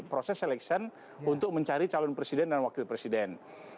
proses seleksian untuk mencari calon presiden dan wakil presiden